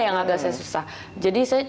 yang agak saya susah jadi saya